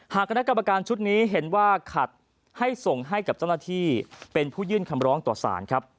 คณะกรรมการชุดนี้เห็นว่าขัดให้ส่งให้กับเจ้าหน้าที่เป็นผู้ยื่นคำร้องต่อสารครับ